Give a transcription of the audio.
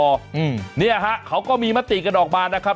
เราก็มีมติกันออกมานะครับ